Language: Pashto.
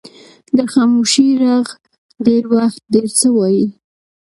د خاموشۍ ږغ ډېر وخت ډیر څه وایي.